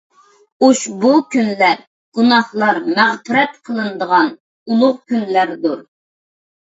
ئۇشبۇ كۈنلەر گۇناھلار مەغپىرەت قىلىنىدىغان ئۇلۇغ كۈنلەردۇر.